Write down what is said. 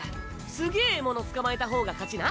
すげぇ獲物捕まえた方が勝ちな。